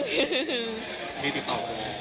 มีติดต่อ